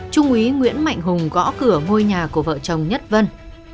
trung úy nguyễn mạnh hùng gõ cửa ngôi nhà của vợ chồng nhất vân